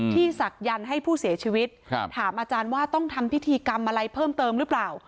ศักยันต์ให้ผู้เสียชีวิตถามอาจารย์ว่าต้องทำพิธีกรรมอะไรเพิ่มเติมหรือเปล่า